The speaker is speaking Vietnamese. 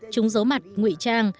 chúng giấu mặt ngụy trang